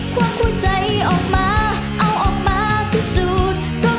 ความหัวใจออกมาเอาออกมาพิสูจน์